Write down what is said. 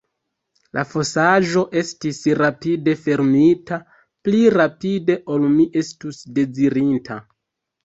La fosaĵo estis rapide fermita, pli rapide ol mi estus dezirinta.